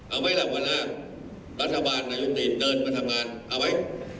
เอาไว้ล่ะบรรภาครัฐบาลนายุติศเดินบรรภาคเอาไว้